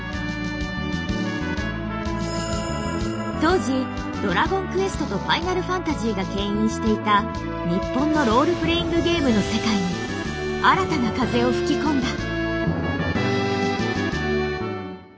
当時「ドラゴンクエスト」と「ファイナルファンタジー」がけん引していた日本のロールプレイングゲームの世界に新たな風を吹き込んだ。